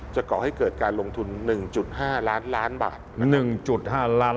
จะก่อให้เกิดการลงทุน๑๕ล้านบาท